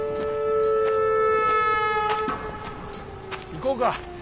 行こうか。